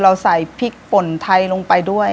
เราใส่พริกป่นไทยลงไปด้วย